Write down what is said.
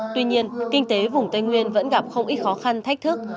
tuy nhiên kinh tế vùng tây nguyên vẫn gặp không ít khó khăn thách thức